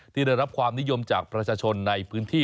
ได้รับความนิยมจากประชาชนในพื้นที่